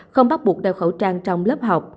không bắt buộc đeo khẩu trang trong lớp học